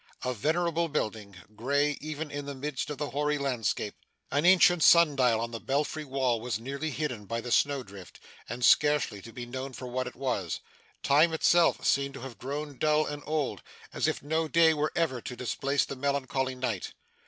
A venerable building grey, even in the midst of the hoary landscape. An ancient sun dial on the belfry wall was nearly hidden by the snow drift, and scarcely to be known for what it was. Time itself seemed to have grown dull and old, as if no day were ever to displace the melancholy night.